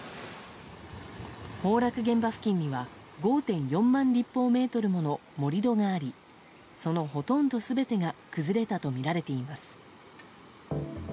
崩落現場付近には５．４万立方メートルもの盛り土がありそのほとんど全てが崩れたとみられています。